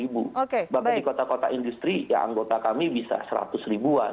bahkan di kota kota industri ya anggota kami bisa seratus ribuan